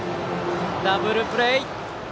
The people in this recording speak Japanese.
ダブルプレー。